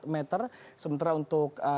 meter sementara untuk